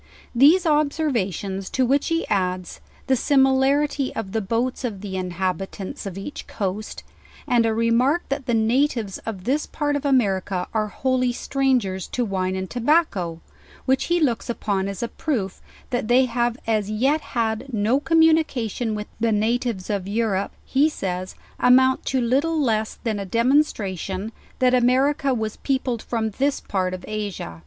These observations, to which he adds, the similarity of the boats of the inhabitants of each coast 3 174 JOURNAL OF and a remark that the natives of this part of America are wholly strangers to wine and tobacco, which he looks upon as a proof that they have as yet Ind no communication with the natives of Europe, he says, amount to little less than a demonstration, that America ivas peopled from this part of Asia.